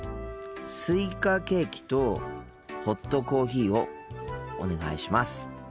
スイカケーキとホットコーヒーをお願いします。